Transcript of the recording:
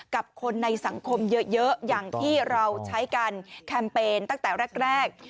กับคนในสังคมเยอะอย่างที่เราใช้กันแคมเปญตั้งแต่แรก